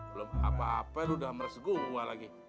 belum apa apaan lu udah meres gua lagi